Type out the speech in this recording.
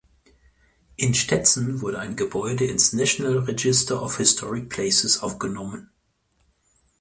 In Stetson wurde ein Gebäude ins National Register of Historic Places aufgenommen.